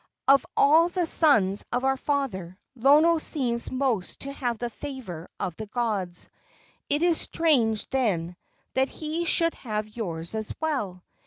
Of all the sons of our father, Lono seems most to have the favor of the gods. Is it strange, then, that he should have yours as well?